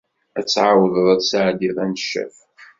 Ad tɛawed ad d-tesɛeddi aneccaf.